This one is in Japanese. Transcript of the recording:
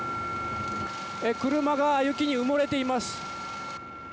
車が雪に埋もれています。